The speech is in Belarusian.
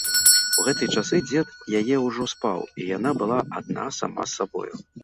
У гэтыя часы дзед яе ўжо спаў, і яна была адна сама з сабою.